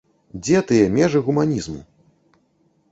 Дзе тыя межы гуманізму?